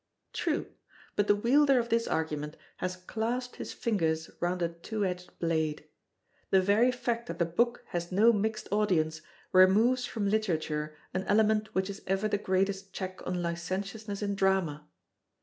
True; but the wielder of this argument has clasped his fingers round a two edged blade. The very fact that the book has no mixed audience removes from Literature an element which is ever the greatest check on licentiousness in Drama.